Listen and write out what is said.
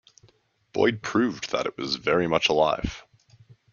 Boyd proved that it was very much alive.